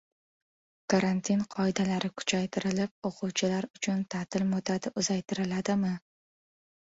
Karantin qoidalari kuchaytirilib, o‘quvchilar uchun ta’til muddati uzaytiriladimi?